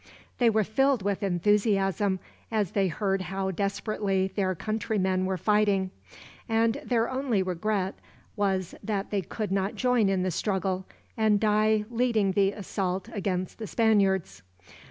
They were filled with enthusiasm, as they heard how desperately their countrymen were fighting; and their only regret was that they could not join in the struggle, and die leading the assault against the Spaniards.